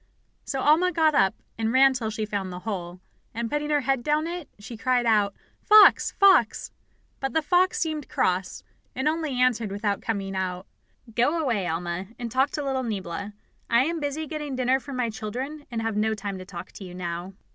So Alma got up, and ran till she found the hole, and putting her head down it, she cried out: "Fox! Fox!" But the fox seemed cross, and only answered, without coming out, "Go away, Alma, and talk to little Niebla. I am busy getting dinner for my children, and have no time to talk to you now."